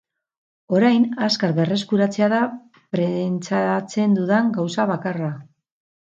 Orain azkar berreskuratzea da prentsatzen dudan gauza bakarra.